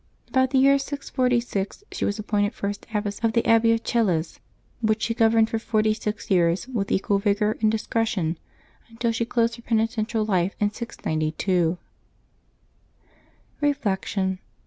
About the year 646 she was appointed first abbess of the abbey of Chelles, which she governed for forty six years with equal vigor and discre tion, until she closed her penitential life in 692. Reflection.